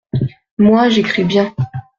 Moi, j’écris bien.